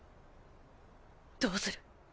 どうする！？